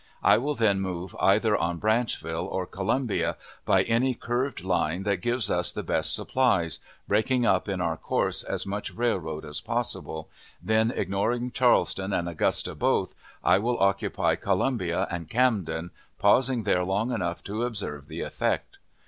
I will then move either on Branchville or Colombia, by any curved line that gives us the best supplies, breaking up in our course as much railroad as possible; then, ignoring Charleston and Augusta both, I would occupy Columbia and Camden, pausing there long enough to observe the effect.